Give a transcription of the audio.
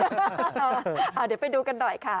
เดี๋ยวไปดูกันหน่อยค่ะ